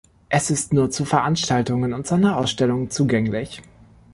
Es ist nur zu Veranstaltungen und Sonderausstellungen zugänglich.